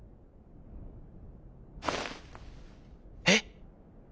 「えっ！？」。